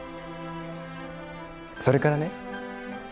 それからね